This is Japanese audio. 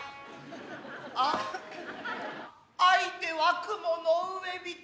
相手は雲の上人